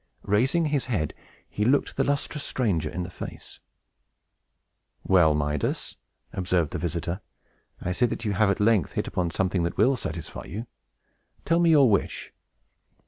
Raising his head, he looked the lustrous stranger in the face. "Well, Midas," observed his visitor, "I see that you have at length hit upon something that will satisfy you. Tell me your wish."